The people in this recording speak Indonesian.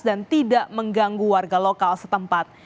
dan tidak mengganggu warga lokal setempat